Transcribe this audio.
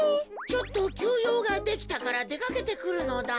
ちょっときゅうようができたからでかけてくるのだ。